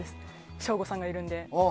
省吾さんがいるので。